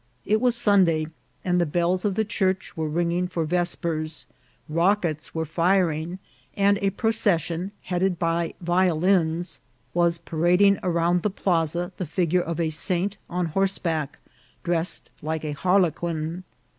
It was Sun day, and the bells of the church were ringing for ves pers, rockets were firing, and a procession, headed by violins, was parading round the plaza the figure of a saint on horseback, dressed like a harlequin.